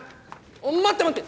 待って待って！